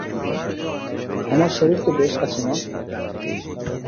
আমার শরীর তো বেশ আছে মা।